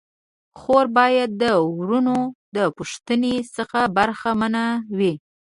خور باید د وروڼو د پوښتني څخه برخه منه وي.